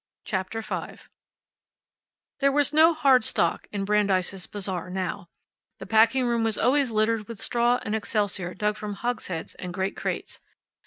CHAPTER FIVE There was no hard stock in Brandeis' Bazaar now. The packing room was always littered with straw and excelsior dug from hogsheads and great crates.